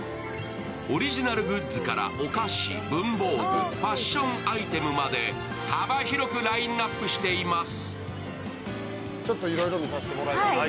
オリジナルグッズからお菓子、文房具、ファッションアイテムまで幅広くラインナップしています。